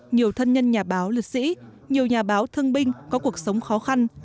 nhiều thân nhân nhà báo liệt sĩ nhiều nhà báo thương binh có cuộc sống khó khăn